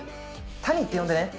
タニって呼んでね。